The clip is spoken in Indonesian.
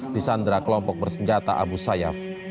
di sandra kelompok bersenjata abu sayyaf